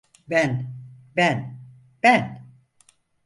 Ben, ben, ben!